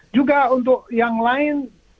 juga untuk yang lain